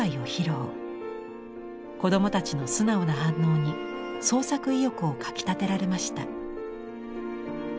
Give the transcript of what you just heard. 子どもたちの素直な反応に創作意欲をかきたてられました。